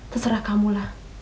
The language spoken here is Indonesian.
terserah kamu lah